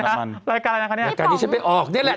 รายการอะไรขนาดนี้พี่ป๋องรายการนี้ฉันไปออกนี่แหละ